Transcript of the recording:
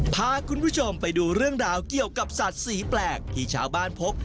พาคุณผู้ชมไปดูเรื่องราวเกี่ยวกับสัตว์สีแปลกที่ชาวบ้านพบ